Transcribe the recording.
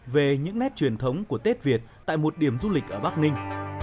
về những nét truyền thống của tết việt tại một điểm du lịch ở bắc ninh